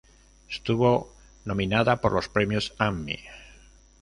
Estuvo nominada por los Premios Emmy.